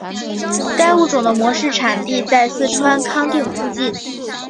该物种的模式产地在四川康定附近。